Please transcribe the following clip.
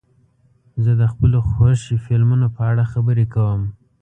زه د خپلو خوښې فلمونو په اړه خبرې کوم.